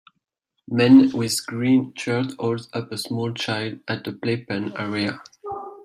Man with green shirt holds up a small child at a playpen area.